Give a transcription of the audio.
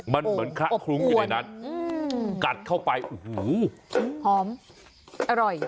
มันเหมือนคละคลุ้งอยู่ในนั้นกัดเข้าไปโอ้โหหอมอร่อย